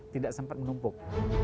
tidak sempat menumpuk